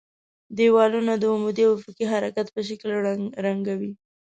دېوالونه د عمودي او افقي حرکت په شکل رنګوي.